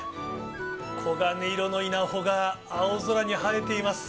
黄金色の稲穂が青空に映えています。